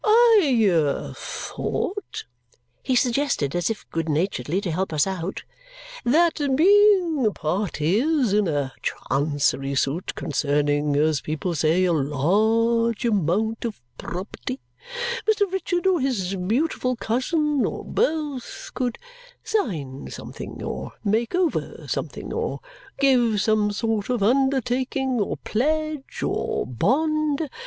"I thought," he suggested, as if good naturedly to help us out, "that being parties in a Chancery suit concerning (as people say) a large amount of property, Mr. Richard or his beautiful cousin, or both, could sign something, or make over something, or give some sort of undertaking, or pledge, or bond?